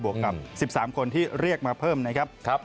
กับ๑๓คนที่เรียกมาเพิ่มนะครับ